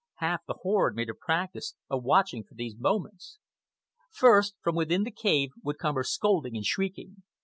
Half the horde made a practice of watching for these moments. First, from within the cave, would come her scolding and shrieking.